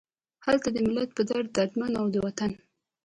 هغه د ملت پۀ دړد دردمند، او د وطن